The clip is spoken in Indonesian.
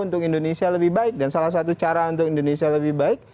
untuk indonesia lebih baik dan salah satu cara untuk indonesia lebih baik